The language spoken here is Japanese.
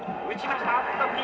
打ちました